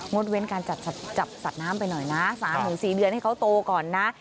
ดเว้นการจับสัตว์น้ำไปหน่อยนะ๓๔เดือนให้เขาโตก่อนนะ